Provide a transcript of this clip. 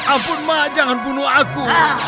ampun mah jangan bunuh aku